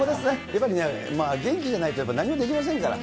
やっぱりね、元気じゃないと、やっぱり何もできませんから。